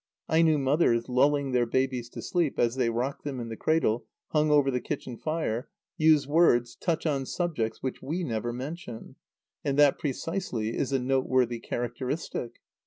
Aino mothers, lulling their babies to sleep, as they rock them in the cradle hung over the kitchen fire, use words, touch on subjects which we never mention; and that precisely is a noteworthy characteristic.